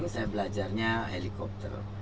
saya belajarnya helikopter